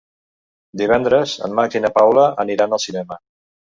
Divendres en Max i na Paula aniran al cinema.